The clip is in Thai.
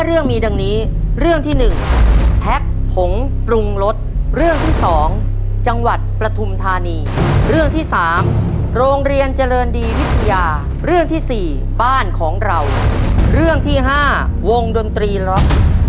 เรื่องมีดังนี้เรื่องที่๑แพ็คผงปรุงรสเรื่องที่สองจังหวัดประทุมธานีเรื่องที่สามโรงเรียนเจริญดีวิทยาเรื่องที่๔บ้านของเราเรื่องที่๕วงดนตรีล็อก